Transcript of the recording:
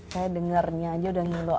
saya dengarnya aja udah ngilu